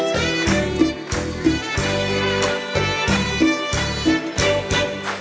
ห่ะ